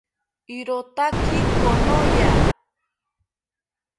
Irotaki konoya